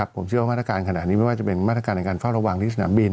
ผมเชื่อว่ามาตรการขนาดนี้ไม่ว่าจะเป็นมาตรการในการเฝ้าระวังที่สนามบิน